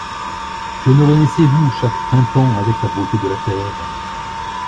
Que ne renaissez-vous, chaque printemps, avec la beauté de la terre?